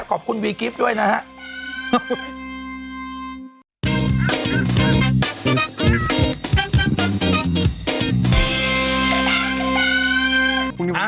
ขอบคุณวีกิฟต์ด้วยนะครับ